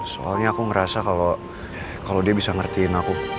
soalnya aku ngerasa kalau dia bisa ngertiin aku